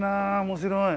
面白い。